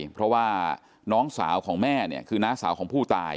เพราะว่าน้องสาวของแม่เนี่ยคือน้าสาวของผู้ตาย